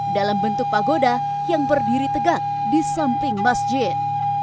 dalam bentuk pagoda yang berdiri tegak di samping masjid